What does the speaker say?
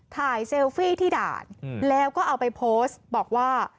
เซลฟี่ที่ด่านแล้วก็เอาไปโพสต์บอกว่า